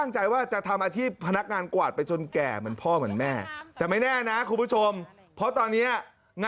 นี่หน้าจริงตัวจริงเสียงจริง